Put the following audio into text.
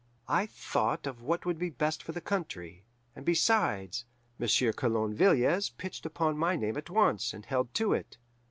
I thought of what would be best for the country; and besides, Monsieur Coulon Villiers pitched upon my name at once, and held to it.